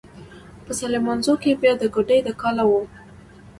په سليمانزو کې بيا د کوډۍ د کاله و.